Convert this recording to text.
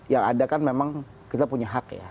yang ada kan memang kita punya hak ya